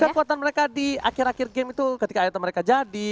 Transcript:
kekuatan mereka di akhir akhir game itu ketika item mereka jadi